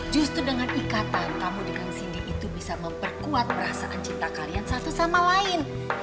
justru dengan ikatan tamu dengan cindy itu bisa memperkuat perasaan cinta kalian satu sama lain